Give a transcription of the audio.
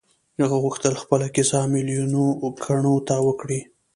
هغه غوښتل خپله کيسه ميليونو کڼو ته وکړي.